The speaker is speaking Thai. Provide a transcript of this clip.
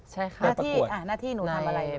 ใช่ค่ะหน้าที่หนูทำอะไร